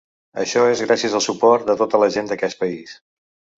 Això és gràcies al suport de tota la gent d’aquest país.